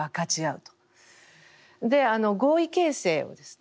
合意形成をですね